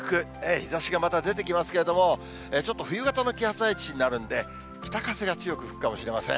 日ざしがまた出てきますけれども、ちょっと冬型の気圧配置になるんで、北風が強く吹くかもしれません。